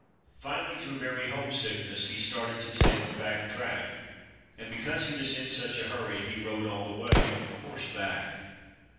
Finally through very home sickness, he started to take the back track, And because he was in such a hurry, he rode all the way horse back.